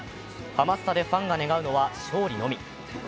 ハマスタでファンが願うのは勝利のみ。